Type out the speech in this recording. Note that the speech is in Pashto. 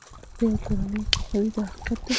ته یوه کورنۍ پوهوې دا حقیقت دی.